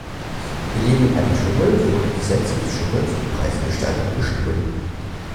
Wir leben in einem Dschungel, wo die Gesetze des Dschungels die Preisgestaltung bestimmen.